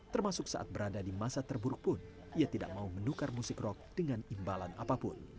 termasuk saat berada di masa terburuk pun ia tidak mau menukar musik rock dengan imbalan apapun